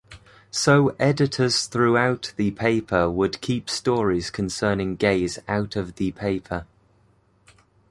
So editors throughout the paper would keep stories concerning gays out of the paper.